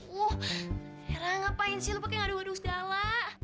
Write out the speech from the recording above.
oh hera ngapain sih lo pake ngadu ngadu sedalah